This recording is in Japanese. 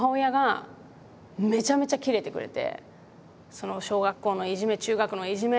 その小学校のいじめ中学のいじめ